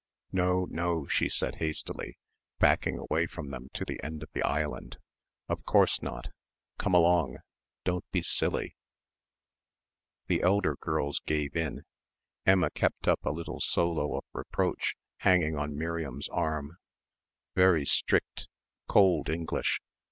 "No, no," she said hastily, backing away from them to the end of the island. "Of course not. Come along. Don't be silly." The elder girls gave in. Emma kept up a little solo of reproach hanging on Miriam's arm. "Very strict. Cold English.